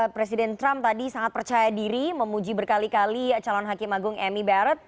presiden trump tadi sangat percaya diri memuji berkali kali calon hakim agung amy bert